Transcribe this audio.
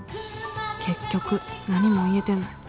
結局何も言えてない。